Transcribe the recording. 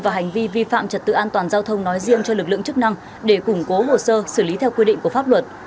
và hành vi vi phạm trật tự an toàn giao thông nói riêng cho lực lượng chức năng để củng cố hồ sơ xử lý theo quy định của pháp luật